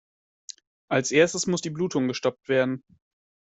Als Erstes muss die Blutung gestoppt werden.